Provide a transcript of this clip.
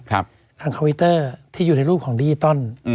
ทางคอมพิวเตอร์ที่อยู่ในรูปของดิจิตอล